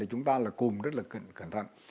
chúng ta là cùng rất là cẩn thận